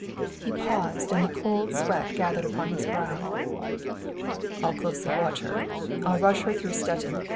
He paused, and the cold sweat gathered upon his brow. "I'll closely watch her. I'll rush her through Stettin.